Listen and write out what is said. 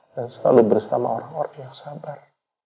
dan selalu bersama orang orang yang sabar